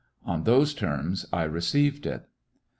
On those terms I received it.